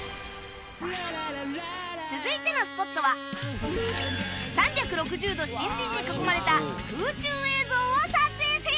続いてのスポットは３６０度森林に囲まれた空中映像を撮影せよ